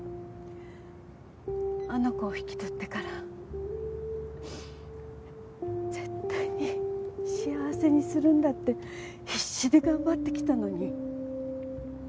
あの子を引き取ってから絶対に幸せにするんだって必死で頑張ってきたのに。